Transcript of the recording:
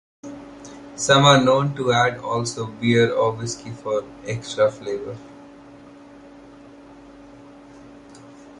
Some are known to add also beer or whiskey for extra flavor.